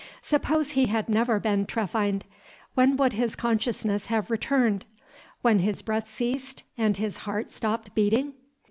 Suppose he had never been trephined, when would his consciousness have returned? When his breath ceased and his heart stopped beating?